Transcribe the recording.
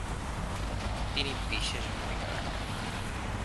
তিনি বিশেষ ভূমিকা রাখেন।